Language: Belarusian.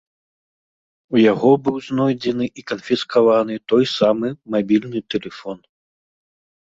У яго быў знойдзены і канфіскаваны той самы мабільны тэлефон.